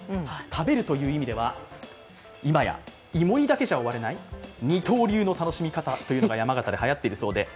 食べるという意味では、今や芋煮だけじゃ終われない、二刀流の楽しみ方というのが山形ではやっているそうです。